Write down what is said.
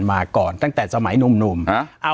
ปากกับภาคภูมิ